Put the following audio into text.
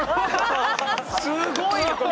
すごいよこれ。